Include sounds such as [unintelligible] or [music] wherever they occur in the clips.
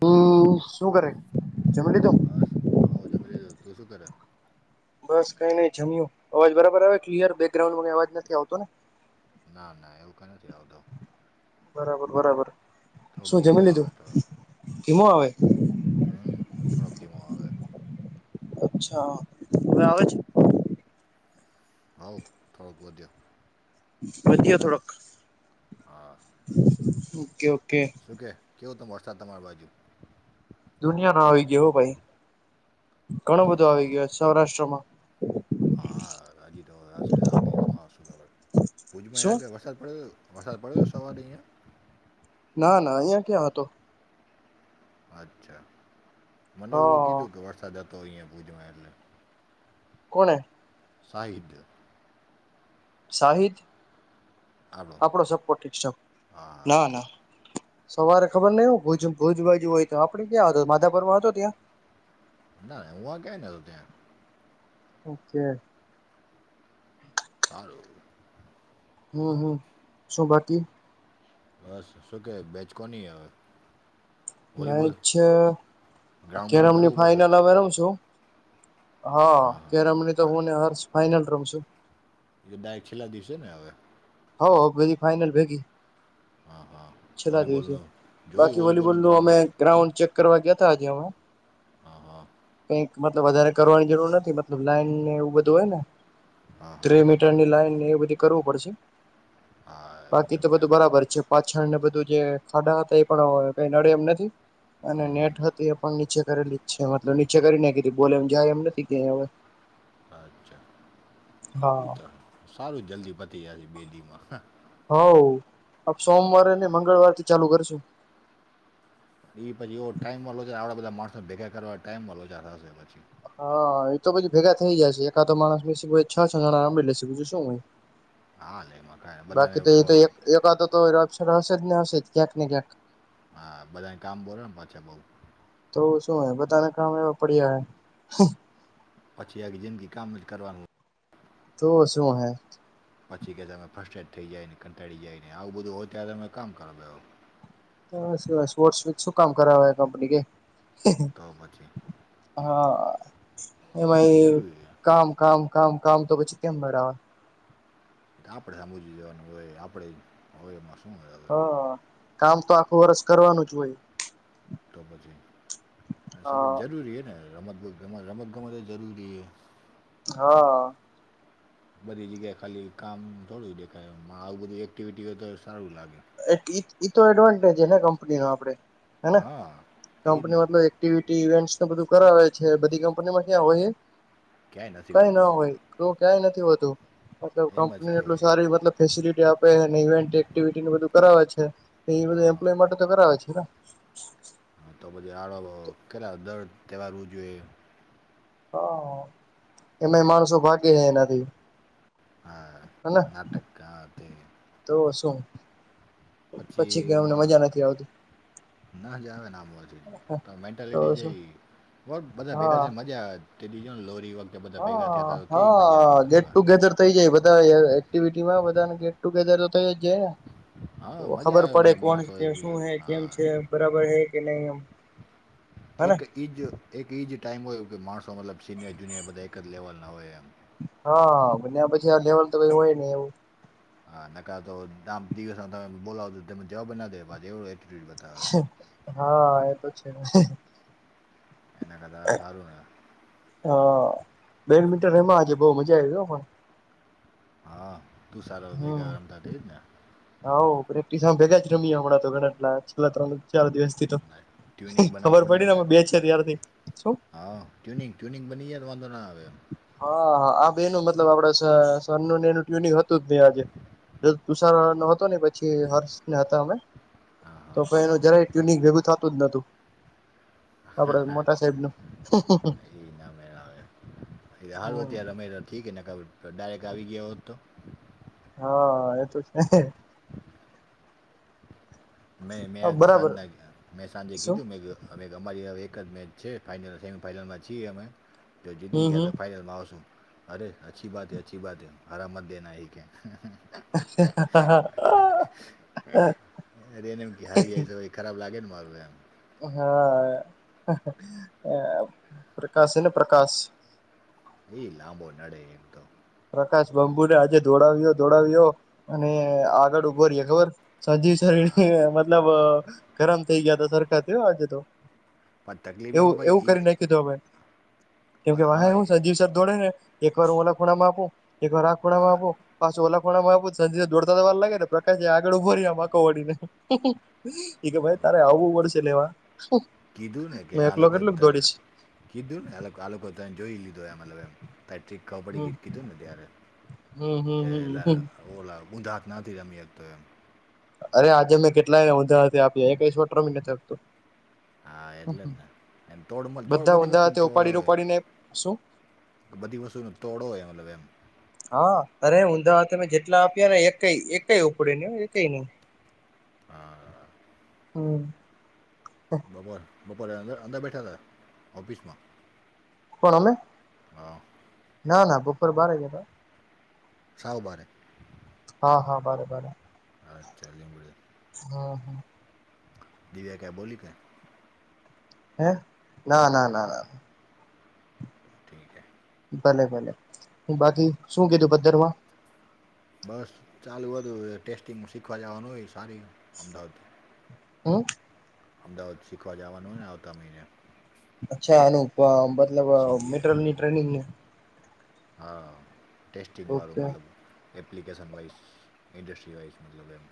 હમ શું કરે જમે લીધું બસ હઉ જમીલે તું શું કર બસ કઈ નઈ જમ્યું અવાજ બરાબર આવે ક્લિયર બેકગ્રાઉન્ડમાં કઈ અવાજ નથી આવતો ને ના ના એવું કંઈ નથી આવતોું બરાબર બરાબર થોડોક શું ધીમો જમી આવે લીધું ધીમો આવે હ થોડાો દિમાગ અચ્છા હવે આવેજ હઉ થળક દો વધધિયા થોડાક હા ઓકે ઓકે શકે કેવો ત વરસાદ તમારી બાજુ દુનિયા નો આવી ગયો હો ભાઈ ઘણું હજી તો બધું આવી ગયયો સૌરાષ્ટ્રમાં હા રાજી આ ભુજમાં શું આે વરસાદ પડે વસાદ પડ્યો સવા દહીં ના ના અહિયાં ક્યાં હતો અચ્છા મને એવું હા કીધું કે વરસાદ હતોય અહીંયા ભુજમાં એટલે કોણ સાહદ સાહિત આલો આપણો સપોટ છે હા હા. ના ના સવારે ખબર નહ હો ભુજ બાજુ હોય તો આપડે ક્યાં માધાભરમાં હતો ત્યાં ના હું આ ક્યાંય ન હતો ત્યાં ઓકે ફલોો હમ હમ શું બાકી બસ શું કે બેચ કો નહી હવે વોલીબોલ મેચ અ ગ્રાઉન્ડ બ્રાઉન્ડ કેરમની કરાવવું પડશે ફાઈનલ હવે રમ છું હા કે રમણી તો હુંને હષ ફાઈનલ રમશું ડાયક છેલ્લા દિવસે ને હવે હો બરી ફાઇનલ ભેગી હા હા છેલ્લા દિવસે વોલીબોલનું બાકી જોયું વોલીબોલ વોલીબોલનું નું અમે ગ્રાઉન્ડ ગ્રાઉન્ડ ચેક કરવા ગયાં આજે અમે હા હા કઈક મતલબ વધારે કરવાની જરૂર નથી મતલબ લાઈન ને એવું બધું હોય ને હા ત હા મીટરની લાઈનને એ બધી કરવું પડશે હા બાકી તો ડૉક્ટર બધું બરાબર છે પાછળ ને બધું જે ખાડા હતા એ પણ કઈ નડે એમ નથી અને હમ હમ નેટ હતું એ પણ નીચે કરેલી. છા મતલબ નીચે કરી નાખીધી બોલે એમ જાય એમ નથી કે હવે. અચ્છા હા શ તો સારું જલ્દી પચી જયાશે બે દિવમાં હને હ આપ સોમવાર અનેને મંગળવારથી ચાલુ કરશું. એ પછી એ ટાઈમ વાળો છે આપડા બધા માણસો ભેગા કરવા ટાઈમ વાળોાર થશે પછી. હા એ તો પછી ભેગા થઈ જાયશે એકાદો માણસ મ છ છ જણા આંળી લેશે બીજું શું હોય હાલે એમાં કાંઈ નઈ. બધાને બાકી તો એ તો પ- એકાદ તો હશે જ ને હશે જ ક્યાંક ને ક્યાંક. હા બધાને કામ બોલો ને પાછા બઉુ તો શું હ બધાને કામ એવા પડ્યા હ પછી આ જિંદગી કામ જ કરવાનું તો શું હૈ પછી કે તમે ફર્સ્ટ એડ થઈ જાય ને કંટાળ જાયને આવું બધું હોય ત્યારે તમે કામ કરો એ સ્પોર્ટસચ શું કામ કર કંપની કે તો પછી હા એમાં એ જરૂરી કામ કામ કામ કામ તો પછી કેમ લગાવે આપડે સમજી જવાનું હોય આપડે હોય એમાં શું હવે હા કામ તો આખું વર્ષ કરવાનું જ હોય તો પછી સબ હા જરૂરી છે ને રમતગતત રમત ગમત જરૂરી છે હા [inaudible] બધી જગ્યાએ ખાલી કામ થોડું દેખાય આવું બધું એક્ટિવિટી હોય તો સારું લાગે તો એડવાન્ટેજ ને કંપની ન આપે હે હા એ જ ને કંપની મતલ એક ઇ બધું કરાવે છે બધી કંપનીમાં ક્યાં હોય ક્યાંય નથી કઈ હોતું ના આવું હોય તો ક્યાંય નથી હોતું મતલબ એમ જ કંપનીને કે એટલું સારી મતલબ ફેસિલિટી આપે ને ઇવેન્ટ એક્ટિવિટીને બધું કરાવે છે એ બધું હા એમ્પ્લોય માટે તો કરાવે છે ને તો પછી આડ કેટલા દર્ર તહેવારવું જોઈએ હા એમાંય માણસો ભાગે એનાથી હેને નાટક તે તો શું પછી કે અમને મજા નથી આવતી ન જ આવેને આમવાથી તો મેન્ટાલિટી જે બહ બધા ભેગા હા થઈને મજા આવે તે દીજોને લોરી વખતે બધા ભેગા થયા હા હતા તો કેવી મજા આવી હા મલ ગેટ વાની ટુગેધર થઈ જાય બધા એક્ટિવિટીમાં બધાને ગેટ ટુગેધર તો થઈ જ જાય ને તો હા મજા ખબર આવે પડે મતલબ કોણ માણસો કે શું એકબીજા હે કેમ હા છે બરાબર હે કે નહી એમ હેને એક એ જ એક એ જ ટાઈમ હોય કે માણસો મતલબ સિનિયર જુનિયર બધા એક જ લેવલના હોય એમ હા બ્યા પછી લેવલ તો કઈ હોય નહી એવું હા નકાર તો આ દિવસમાં તમે બોલાવોો તને જવાબ ના દે એવું એટ્યુડ બતાવે હા એ તો છે એના કરદ આ સારું હા બેડમિન્ટન એમાં આજે બઉ મજા આવી પણ હા તું સારું હમ ભેગા કરમ થ થઠ જ હા પ્રેક્ટિસ આ ભેગા જ રમીએ હણાં તો ઘણાટલા છેલ્લા ત્રણ ચારો દિવસ થી તો ના, ટ્યુનિંગ બનાવવી ખબર પડે પડી ને યાર અમે બે છે ત્યારથી શું હા ટ્યુનિંગ ટ્યુનિંગ બની જાય તો વાંધો ના આવે એમ હા હા આ બેનું મતલબ આપડે સનું એનું ટ્યુનિંગ હતું જ ભ આજે તુષાર નો હતો ને પછી હર્ષને હતા અમે હા તો હા પણ એનું જરાય ટ્યુનિંગ ભેગું થતું જ નતું આપડે મોટા સાહેબ નું એ નામે આવે એ હાલ હો અત્યારે રમે તો ઠીક ને ખબર ડાયરેક્ટ આવી ગયો, હોત, તો હા એ તો છે. મેં મેં આ બરાબર સાંજના મેં સાંજે શું કીધું મેં અમે અમારી એક જ મેચ છે ફાાઈનલ સેમીફાઈનલમાં છીએ અમે તો જીતીી હમ ગયા હમ તો ફાઈનલમાં વસું. અરે અચ્છી બાતે અચ્છી બાત હ હરા મત દેના એક કે હ એ રેનેમાં કે હારી હયસય ખરાબ લાગેને મારુંમ હા પ્રકાશ એને પ્રકાશ એઈ લાંબો નડ એ તો પ્રકાશ બંબુને આજે દોડાવ્યો દોડાવ્યો અને આગળ ઉભો રએ ખબર સાજી શરીર હા મતલબ ગરમ થઇ ગયા ત સરખા થયું આજે તો પણ તકલીફ એવું એમાં ભાઈ એવું એ કરી નાખીધું હવે કેમ કે વા હા શું એ છેજીવસ દોડે ને એક વાર ઓ ખૂણામાં આપપો એક વાર આખ ખૂણા મા હા આપો પાછું ઓલાખો માં આપિ તો દોડતા તો વાર લાગે ને પ્રકાશ આગળ ઉભો મા વળીને એ કે ભાઈ તારે આવું પડશે નેવા કીધુંને કે આાલકોતેર કીધુંને આ લોકો જોઈ લીધુંલ હમ કડી કીધું ને ત્યારે હમ કે હમ એલે હમ ઓલા ગુંજા ના રમી તો એમ અરે આજે મેં કેટલાય ઊંધા આપી કશ ટ્રમિું હા એટલે જ ને એ તોડ મળ તોડ બધા બધી ઊંધા વસ્તુને હાથે તોડ ઉપાડી હોય. ઉપાડીને શું બધી વસ્તુ તોડો એ મતલબ એમ હા અરે ઊંધા તમે જેટલા આપ્યા ને એક એક ઉપડે ને એક નહી હા હમ બપોર બપોરે અંદર અંદર બેઠા હતા ઓફિસમાં કોણ અમે હા ના ના બપોર બાર ગયા હતા. સાહબાર હા-હા બરા બરા હા, ચાલી મળળ હા હા દી ભ ક્યા બોલી ક હે ના ના ના ના ઠીકે ભલે-ભલે હ બાકી શું કીધું પદરવા બસ ચાલું બ હતું ટેસ્ટિંગ શીખવા જવાનું હોય, સારી અમદાવાદ હમ અમદાવાદ શીખવા જવાનું ને આવતા મહિને અચ્છા અનુપ મતલબ મેટરલની સીજીઆઈવાળું ટ્રેનિંગને હા, ટટેસ્ટિંગ વાું ઓકે મતલબ એપ્લિકકેેશન વાઇઝ ન્ડસ્ટ્રી વાઇઝ મતલબ એમ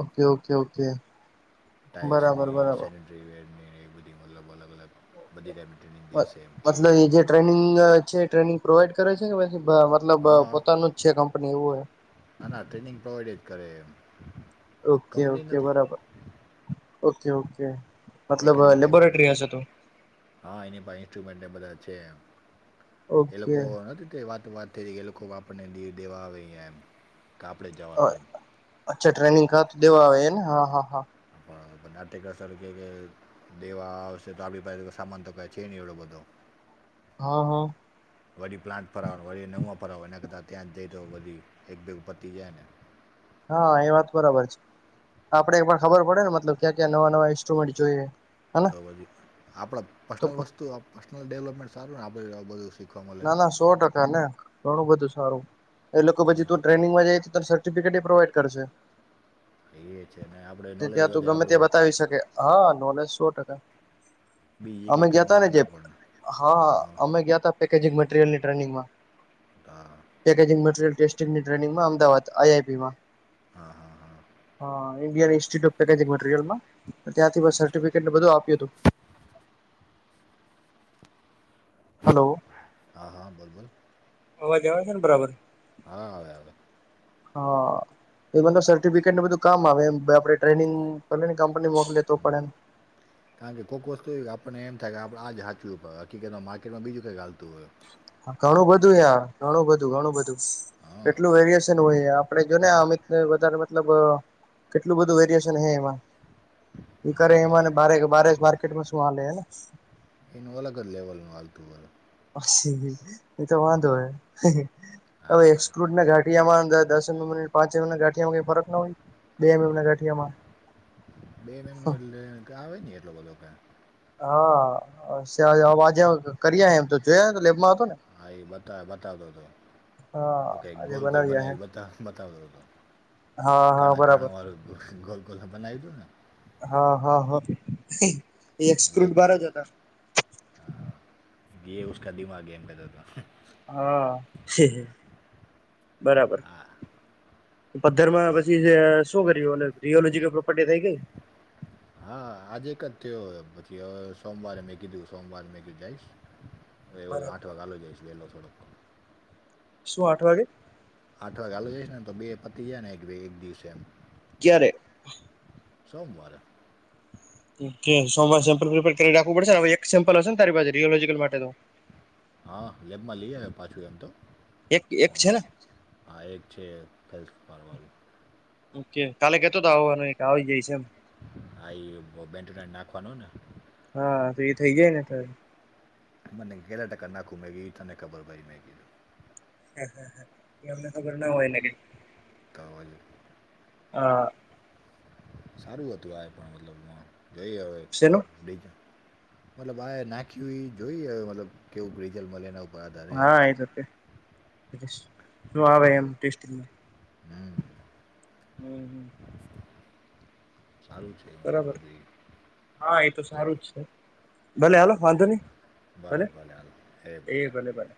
ઓકે ઓકે ઓકે ટાાઈલ્સને બરાબર બરાબર સેનેટરી વેરની એ બધી મતલબ અલગ અલગ બધી રેમિ ટ્રેનિંગ દ સમ કે મતલબ એ જે ટ્રેનિંગ છે ટ્રેનિંગ પ્રોવાઈડ કરે છે કે પછી મતલબ હા પોતાનું જ છે કંપની એવું હોય. ના ના, ટ્રેનિંગ પ્રોવાઈડ જ કરે એમ ઓકે કંપની ઓકે નથી બરાબર ઓકે ઓકે મતલબ એકેડમી લેબોરેટરી, ટાઈપના હ તો હા એની પા ઇન્સ્ટ્રુમેન્ટ એ બધા છે. એ ઓકે લોકો નથી તે વાત વાત અત્યારે જગ્યાએ લોકો આપણને દ દેવા આવે એમ કે આપણે જવાનું એમ અચ્છા ટ્રેનિંગા તો દેવા આવે ને હા હા હા પણ નાટ્યક સ્વરૂપે કે દેવા આવશે તો આપડી પાસે સામાન તો ક છે નહી એ લોકો તો હા હા વરી પ્લાન્ટ ફરાવા વરી નુંં ફરાવ એના કર ત ત્યાં જઈ તો વરી એક બેગ પતી જાયને હા એ વાત બરાબર છે આપડે એમાં ખબર પડે ને મતલબ ક્યા ક્યા નવા ઇન્સ્ટ્રુમેન્ટ છે તો બધી આપડે પર્સનલ વસ્તુ પર્સનલ ડેવલપમેન્ટ સારું ને આપણું બધું શીખવા મળે ના ના સો ટકા ના ઘણું બધું સારું એ લોકો પછી હા તું ટ્રેનિંગમાં જાય તો ત સર્ટિફિકેટ પ્રોવાઈડ કરશે એ છે ને આપડે નોલેજ વધે આપડુ હોઈ શકે હા નોલેજ સો ટકા બીજી અમે કંઈ ગયા કામ તા ને આવે જે આપણને હા અમે ગયા તા પેકેજ મટીરીયલ ની ટ્રેનિંગમાં હા પેકેજીંગ મટીરીયલ ટેસ્ટિંગની ટ્રેનિંગમાં અમદાવાદ આઈ આઈ પી માં હા હા હા [unintelligible] મટીરીયલ મા ત્યા તી હા બ અચ્છા સર્ટિફિકેટ ને બધું આપ્યું તું હલો હા હા બોલ બોલ અવાજ આવે છે ને બરાબર હા આવે આવે હા એ માનું સર્ટિફિકેટ બધું કામ આવે એમ આપડે ટ્રેનિંગ કરીને કંપની મોકલે તો પણ એમ કારણ કે કોઈક વસ્તુ કે આપણને એમ થાય કે આપડે આ જ હાચવ્યું હકીકતમાં માર્કેટમાં બીજું કંઈ ચાલતું હોય ઘણું બધું યા ઘણું બધું ઘણું બધું હા એટલું વેરિએેશન હોય આપડે જો ને અમિત વધારે મતલબ કેટલું બધું વેરએશન હે એમાં એ હા કરે યાર એમાંને એ બારે બારે માર્કેટમાં શું હાલેને એનું અલગ લેવલનું વાલતું હોય એ તો વાંધો હહ હવે હા એક્સ્કલુડ ના ગાઠિયામાં દસ મિટ પાંચિ ગાઠિયામાંઈ ફરક ના હોય બેે મેં મ ના ગાંઠિયા માં બે મહિનો એટલે આવે નહી એટલો બધો ક હા અવાજે કરીએ એમ તો જોયા તો લેબમાં હતો ને હા એ બતા બતાતો હતો હા ઓકે આજે ગોલ ગોલ બનાવ્યા હે બનાવી બતા બતાવતો તો હા હા કાણા બરાબર કાણા વાળું ગોલ ગોલ બનાવી દો ને હા હા હા સ્કુટ બાર જ હતા હા હાં ગે ઉસકા દિમાગ હે એમ કેતો હતો હા બરાબર પધ્ર માં જો પછી જે શું કર્યું રીયોલોજીકલ પ્રોપર્ટી થઈ ગઈ [inaudible] હા આજે એક જ થયો પછી હવે સોમવારે મેં કીધું સોમવારે મે કી જઈશ હ એવું બરાબર આઠ વાગાલી જાયશ પેલો થડો શું આઠ વાગે આઠ વાગે આાલ જઈ ને તો બે પતી જાય ને એક એક દિવસે એમ ક્યારે? સોમવારે ઓકે સોમવાર સેમ્પલ પ્રિપેર કરી રાખવું પડશેને હવે એક સમ્પલ હશેને તારી રિયોલોજીકલ માટે તો હા લેબમાં લઈ આવે પાછું એમ તો એક એક છે ને આ એક છે હેલ્થ ફરવા ઓકે કાલે કેતો તો આવવાનો આવી જાય છે એમ આ બેન્ટ નાખવાનું ને હા તો એ થઇ જાય ને મને ગેલા ટ કક નાકું મે ગી તને કબરાઈઈ મેગી હા હા હા એ હમને ખબર ના હો એ લાગ તો વળી આ સારું હતું આ પણ મતલબ જોઈ હવે છેનું મતલબ આ નાખ્યું જોઈ હ મતલબ કેવું રીજલ્ટ મળે ઉપર આધાર રહે હા હવે એ રપ શું આવે એમટેસ્ટ. હમ હમ હમ સારું છે મતલબ બરાબર બધું ઈ. હા એતો સારું જ છે ભલે હાલ વાંધો નહી ભલે ભલે હાલ હ એ ભલે ભલે